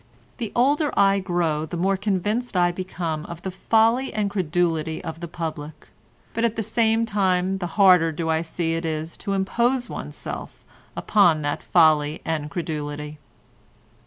The older I grow, the more convinced I become of the folly and credulity of the public; but at the same time the harder do I see it is to impose oneself upon that folly and credulity.